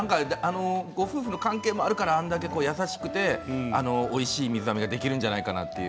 ご夫婦の関係もあるからあれだけ優しくておいしい水あめができるんじゃないかなって。